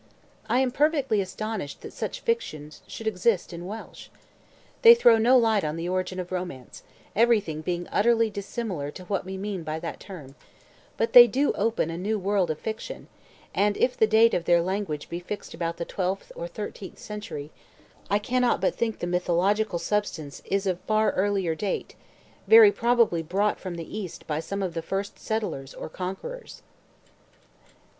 I am perfectly astonished that such fictions should exist in Welsh. They throw no light on the origin of romance, everything being utterly dissimilar to what we mean by that term, but they do open a new world of fiction; and if the date of their language be fixed about the twelfth or thirteenth century, I cannot but think the mythological substance is of far earlier date; very probably brought from the East by some of the first settlers or conquerors."